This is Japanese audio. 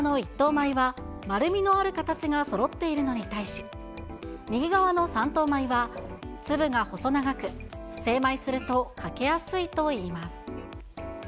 米は、丸みのある形がそろっているのに対し、右側の三等米は、粒が細長く、精米すると欠けやすいといいます。